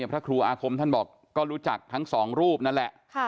พระครูอาคมท่านรู้จักทั้ง๒รูปนั้นแหละ